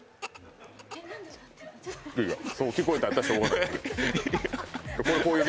そう聞こえたんじゃしょうがない。